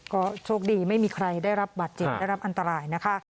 ก็โชคดีไม่มีใครได้รับบาดเจ็บได้รับอันตรายนะคะ